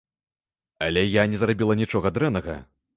Але я не зрабіла нічога дрэннага!